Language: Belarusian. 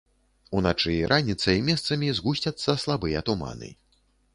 Уначы і раніцай месцамі згусцяцца слабыя туманы.